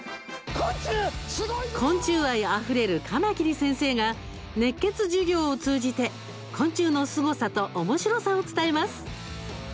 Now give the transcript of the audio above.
昆虫愛あふれるカマキリ先生が熱血授業を通じて昆虫のすごさとおもしろさを伝えます。